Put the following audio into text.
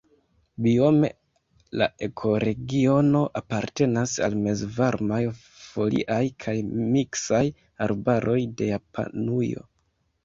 Biome la ekoregiono apartenas al mezvarmaj foliaj kaj miksaj arbaroj de Japanujo.